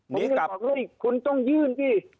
หนีกลับผมก็บอกว่าคุณต้องยื่นสิ